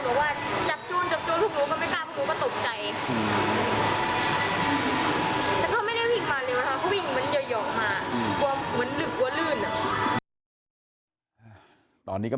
เขาก็วิ่งออกไปถึงตรงนี้